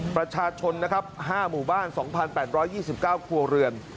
ประชาชนนะครับ๕หมู่บ้าน๒๘๒๙ครัวเรือน